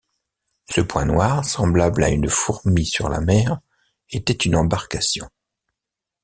Ce point noir, semblable à une fourmi sur la mer, était une embarcation.